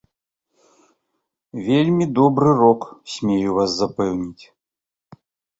Вельмі добры рок, смею вас запэўніць.